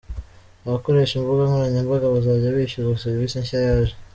Abakoresha imbuga nkoranyambaga bazajya bishyuzwa serivisi nshya yaje